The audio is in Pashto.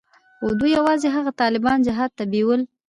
خو دوى يوازې هغه طالبان جهاد ته بيول.